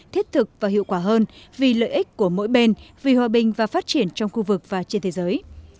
thiết thực và hiệu quả hơn vì lợi ích của mỗi bên vì hòa bình và phát triển trong khu vực và trên thế giới